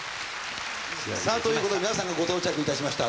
さぁということで皆さんがご到着いたしました。